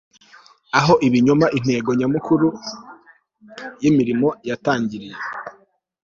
Aho ibinyoma intego nyamukuru yimirimo yatangiriye